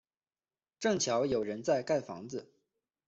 正巧有人在盖房子